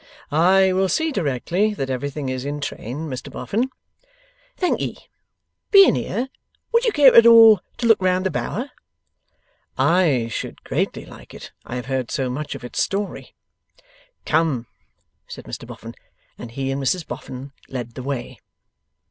'I will see directly that everything is in train, Mr Boffin.' 'Thank'ee. Being here, would you care at all to look round the Bower?' 'I should greatly like it. I have heard so much of its story.' 'Come!' said Mr Boffin. And he and Mrs Boffin led the way.